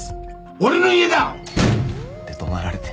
俺の家だ！って怒鳴られて。